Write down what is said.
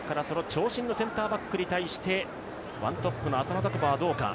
長身のセンターバックに対してワントップの浅野拓磨はどうか。